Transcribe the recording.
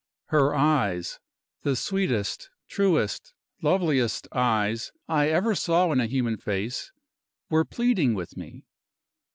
Her eyes, the sweetest, truest, loveliest eyes I ever saw in a human face, were pleading with me.